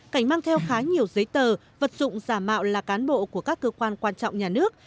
cảnh mang theo khá nhiều giấy tờ vật dụng giả mạo là cán bộ của các cơ quan quan trọng nhà nước